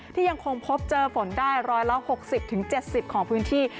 ที่ยังคงพบเจอฝนได้ร้อยละ๖๐๗๐ของพื้นที่